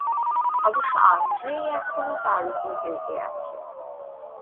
অবশ্য আন্দ্রেই এখনো তার উপর রেগে আছে।